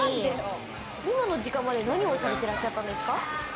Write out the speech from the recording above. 今の時間まで何をされていらっしゃったんですか？